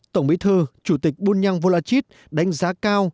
tổng bí thư chủ tịch bunyang volachit đánh giá cao